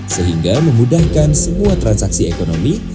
sehingga memudahkan semua transaksi ekonomi